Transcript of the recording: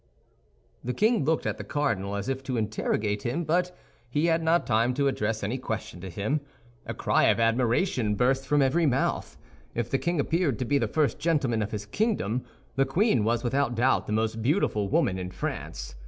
The king looked at the cardinal as if to interrogate him; but he had not time to address any question to him—a cry of admiration burst from every mouth. If the king appeared to be the first gentleman of his kingdom, the queen was without doubt the most beautiful woman in France.